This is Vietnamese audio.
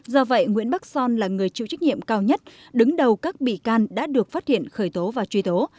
do vậy nguyễn bắc son là người chịu trách nhiệm cao nhất đứng đầu các bị can đã được phát hiện khởi tố và truy tố